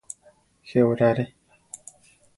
Je orare.